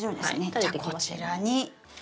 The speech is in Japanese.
じゃこちらに。